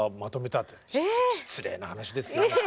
失礼な話ですよね。